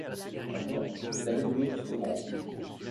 Maintenant, ils avaient de l’eau jusqu’au ventre.